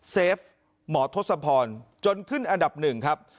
เฟฟหมอทศพรจนขึ้นอันดับหนึ่งครับ